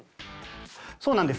そうなんです。